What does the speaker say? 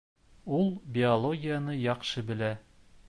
Ул биологияны яҡшы белә